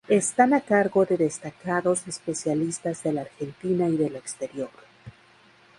Están a cargo de destacados especialistas de la Argentina y del exterior.